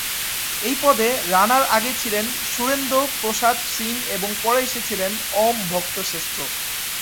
এই পদে রানার আগে ছিলেন সুরেন্দ্র প্রসাদ সিং এবং পরে এসেছিলেন ওম ভক্ত শ্রেষ্ঠ।